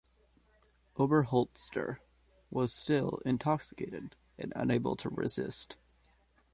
Oberholtzer was still intoxicated and unable to resist.